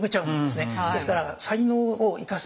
ですから才能を生かすんだ。